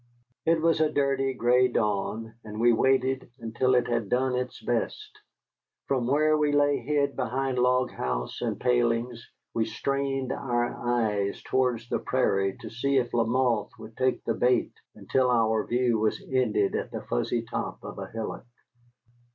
It was a dirty, gray dawn, and we waited until it had done its best. From where we lay hid behind log house and palings we strained our eyes towards the prairie to see if Lamothe would take the bait, until our view was ended at the fuzzy top of a hillock.